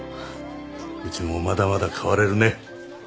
うちもまだまだ変われるね。